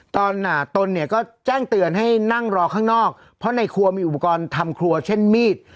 ตนเนี่ยก็แจ้งเตือนให้นั่งรอข้างนอกเพราะในครัวมีอุปกรณ์ทำครัวเช่นมีด